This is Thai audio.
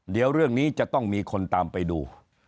เดี๋ยวเรื่องนี้จะต้องมีคนตามไปดู